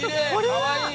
かわいい！